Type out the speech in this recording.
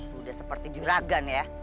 sudah seperti juragan ya